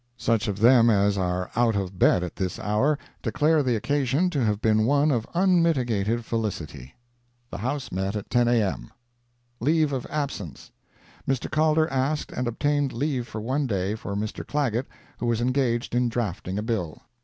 Such of them as are out of bed at this hour, declare the occasion to have been one of unmitigated felicity. The House met at 10 A.M. LEAVE OF ABSENCE Mr. Calder asked and obtained leave for one day for Mr. Clagett who was engaged in drafting a bill.